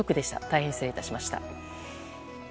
大変失礼致しました。